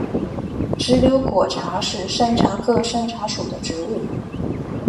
直脉瘤果茶是山茶科山茶属的植物。